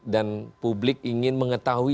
dan publik ingin mengetahui